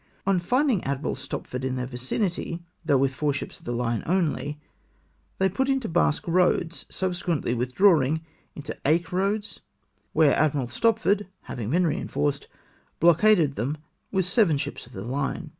On finding Admiral Stopford in their vicinity, though with four ships of the line only, they put into Basque Eoads, subsequently withdrawing into Aix Eoads, where Admiral Stopford havhig been reinforced, blockaded them with seven ships of the hue.